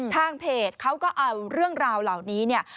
ทางเพจเขาก็เอาเรื่องราวเหล่านี้เนี่ย